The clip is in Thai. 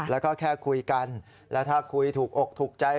แล้วก็แค่คุยกันแล้วถ้าคุยถูกอกถูกใจ